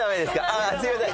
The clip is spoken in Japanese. ああすいません